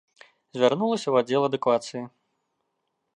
Звярнулася ў аддзел адукацыі.